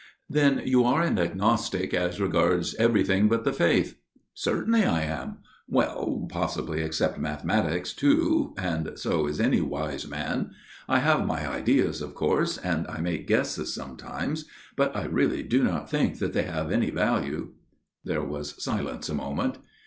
" Then you are an agnostic as regards everything but the faith ?"" Certainly I am. Well, possibly except mathe matics, too, and so is any wise man. I have my ideas, of course, and I make guesses sometimes ; but I really do not think that they have any value." There was silence a moment.